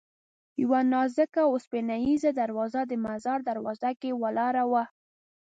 یوه نازکه اوسپنیزه دروازه د مزار دروازه کې ولاړه وه.